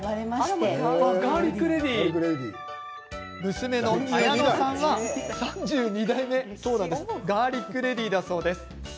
娘の文乃さんは、３２代目のガーリックレディだそうです。